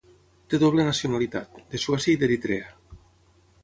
Té doble nacionalitat, de Suècia i d'Eritrea.